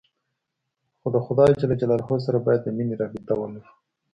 خو د خداى سره بايد د مينې رابطه ولرو.